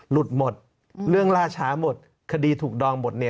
หลุดหมดเรื่องล่าช้าหมดคดีถูกดองหมดเนี่ย